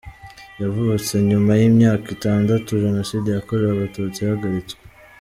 Yavutse nyuma y’imyaka itandatu Jenoside yakorewe Abatutsi ihagaritswe.